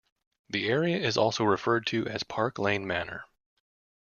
The area is also referred to as Park Layne Manor.